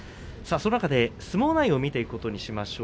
その中で相撲内容を見ていくことにしましょう。